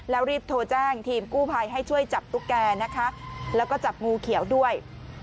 แล้วรีบโทรแจ้งทีมกู้ภัยให้ช่วยจับตุ๊กแกนะคะแล้วก็จับงูเขียวด้วย